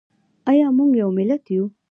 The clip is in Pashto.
ایا موږ یو ملت یو؟